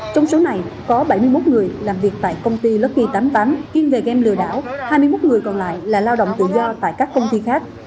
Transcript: trong số này có bảy mươi một người làm việc tại công ty lockpee tám mươi tám chuyên về game lừa đảo hai mươi một người còn lại là lao động tự do tại các công ty khác